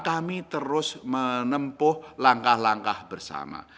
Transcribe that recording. kami terus menempuh langkah langkah bersama